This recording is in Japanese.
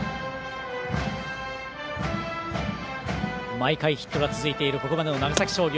毎回ヒットが続いているここまでの長崎商業。